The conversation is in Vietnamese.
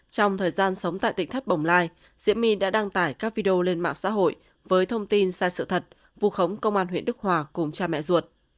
trong thời gian sống tại tỉnh thất bồng lai diễm my đã đăng tải các video lên mạng xã hội với thông tin sai sự thật vụ khống công an huyện đức hòa cùng cha mẹ ruột